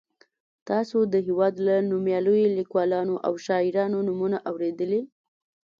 تاسو د هېواد له نومیالیو لیکوالو او شاعرانو نومونه اورېدلي.